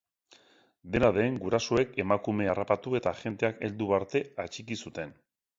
Dena den, gurasoek emakumea harrapatu eta agenteak heldu arte atxiki zuten.